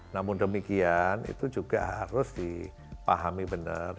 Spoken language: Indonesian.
namun demikian itu juga harus dipahami benar